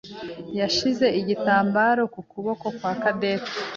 yashyize igitambaro ku kuboko kwa Cadette.